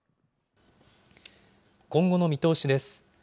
今後の見通しです。